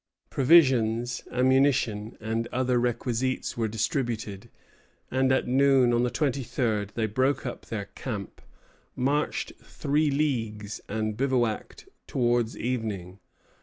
] Provisions, ammunition, and other requisites were distributed, and at noon of the 23d they broke up their camp, marched three leagues, and bivouacked towards evening.